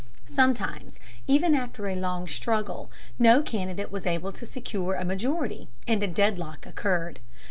Sometimes, even after a long struggle, no candidate was able to secure a majority, and a deadlock occurred.